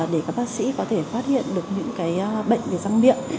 để các bác sĩ có thể phát hiện được những bệnh về răng miệng